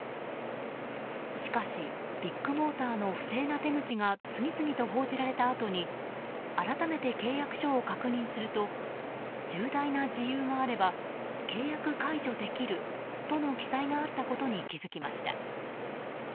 しかし、ビッグモーターの不正な手口が次々と報じられたあと改めて契約書を確認すると重大な事由があれば契約解除できるとの記載があったことに気づきました。